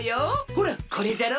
ほらこれじゃろ？